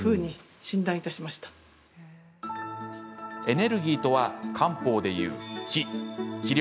エネルギーとは漢方でいう、気。